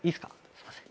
すいません。